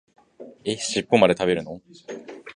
え、しっぽまで食べるの？